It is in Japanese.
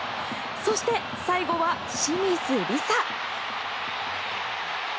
そして、最後は清水梨紗。